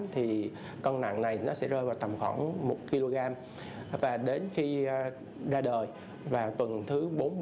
thì cân nặng này nó sẽ rơi vào tầm khoảng một kg và đến khi ra đời vào tuần thứ bốn mươi